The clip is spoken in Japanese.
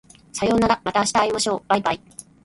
さようならまた明日会いましょう baibai